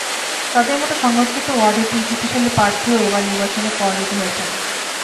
তাঁদের মতো সংরক্ষিত ওয়ার্ডের তিন শক্তিশালী প্রার্থীও এবার নির্বাচনে পরাজিত হয়েছেন।